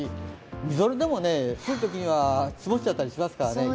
みぞれでも降るときには積もっちゃったりしますからね。